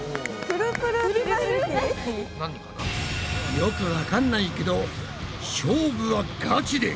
よくわかんないけど勝負はガチで！